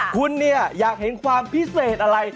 คุณเนี่ยอยากเห็นความพิเศษอะไร